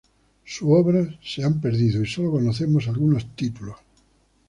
Sus obras se han perdido y solo conocemos algunos títulos.